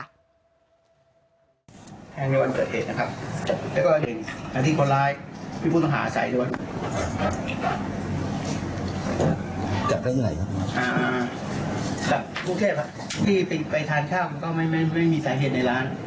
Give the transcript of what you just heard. รถยนต์ของผู้ต้องหานี่เป็นอย่างรถปีดอันนี้ใช้ก่อเอ็ด